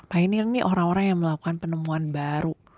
pioneer ini orang orang yang melakukan penemuan baru